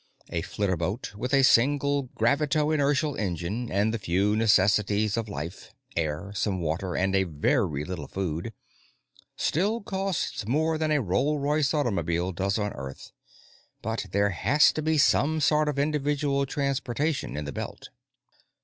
A flitterboat, with a single gravitoinertial engine and the few necessities of life air, some water, and a very little food still costs more than a Rolls Royce automobile does on Earth, but there has to be some sort of individual transportation in the Belt.